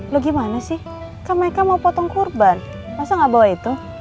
lu gimana sih kak mereka mau potong kurban masa nggak bawa itu